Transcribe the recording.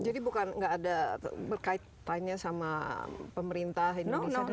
jadi bukan nggak ada berkaitannya sama pemerintah indonesia dan lain lain